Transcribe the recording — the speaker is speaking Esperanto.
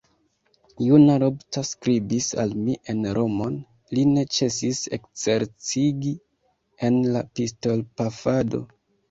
Juna Lobster skribis al mi en Romon; li ne ĉesis ekzerciĝi en la pistolpafado.